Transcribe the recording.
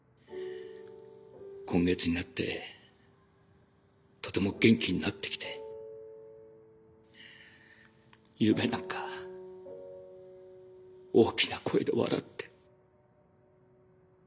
今月になってとても元気になって来て昨夜なんか大きな声で笑って。